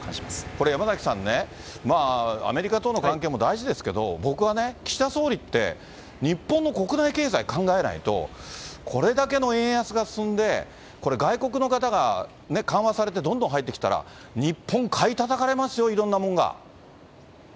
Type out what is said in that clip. これ山崎さんね、アメリカとの関係も大事ですけど、僕はね、岸田総理って、日本の国内経済考えないと、これだけの円安が進んで、外国の方が緩和されてどんどん入ってきたら、日本買いたたかれますよ、いろんなもんが。